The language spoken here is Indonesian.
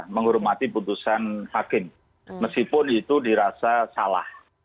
menghormati putusan hakim meskipun itu dirasa salah